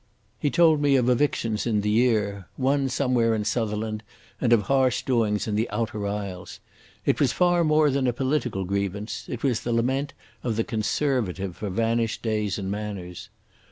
He told me of evictions in the year. One somewhere in Sutherland, and of harsh doings in the Outer Isles. It was far more than a political grievance. It was the lament of the conservative for vanished days and manners.